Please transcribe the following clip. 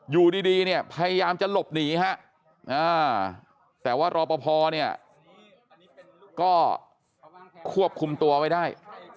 อยู่ดีเนี่ยพยายามจะหลบหนีฮะแต่ว่ารอปภเนี่ยก็ควบคุมตัวไว้ได้